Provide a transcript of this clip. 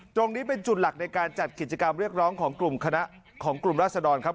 ตรงนี้เป็นจุดหลักในการจัดกิจกรรมเรียกร้องของกลุ่มคณะของกลุ่มราศดรครับ